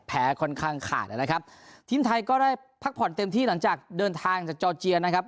ค่อนข้างขาดนะครับทีมไทยก็ได้พักผ่อนเต็มที่หลังจากเดินทางจากจอร์เจียนะครับ